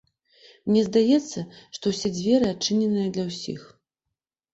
Мне здаецца, што ўсе дзверы адчыненыя для ўсіх.